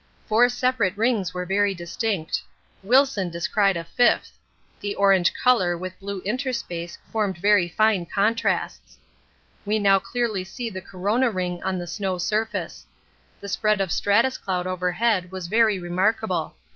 Four separate rings were very distinct. Wilson descried a fifth the orange colour with blue interspace formed very fine contrasts. We now clearly see the corona ring on the snow surface. The spread of stratus cloud overhead was very remarkable.